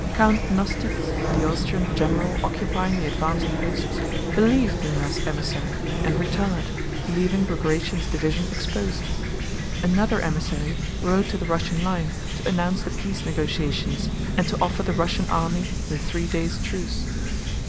Count Nostitz, the Austrian general occupying the advanced posts, believed Murat's emissary and retired, leaving Bagratión's division exposed. Another emissary rode to the Russian line to announce the peace negotiations and to offer the Russian army the three days' truce.